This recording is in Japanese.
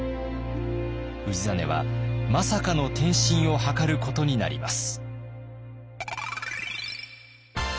氏真はまさかの転身を図ることになります。